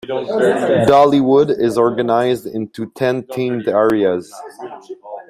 Dollywood is organized into ten themed areas.